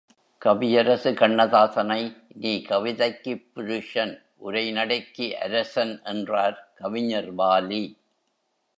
கவியரசு கண்ணதாசனை, நீ கவிதைக்குப் புருஷன் உரைநடைக்கு அரசன் என்றார் கவிஞர் வாலி.